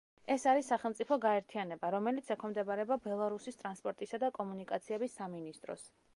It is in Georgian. ეს არის სახელმწიფო გაერთიანება, რომელიც ექვემდებარება ბელარუსის ტრანსპორტისა და კომუნიკაციების სამინისტროს.